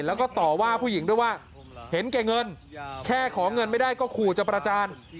แล้วก็ต่อว่าผู้หญิงด้วยว่าเห็นแก่เงินแค่ขอเงินไม่ได้ก็ขู่จะประจาน